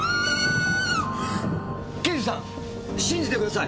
刑事さん信じてください！